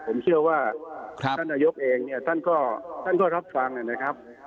ผมเชื่อว่าครับท่านอายุกเองเนี่ยท่านก็ท่านก็รับฟังเนี่ยนะครับ